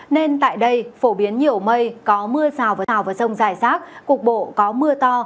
nên tại đây phổ biến nhiều mây có mưa rào vào rông dài sát cuộc bộ có mưa to